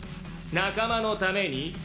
仲間のために？